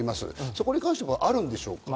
そこに関してはあるでしょうか？